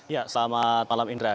ya selamat malam indra